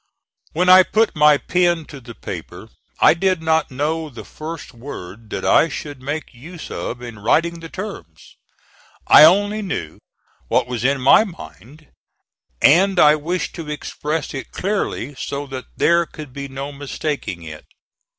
When I put my pen to the paper I did not know the first word that I should make use of in writing the terms. I only knew what was in my mind, and I wished to express it clearly, so that there could be no mistaking it.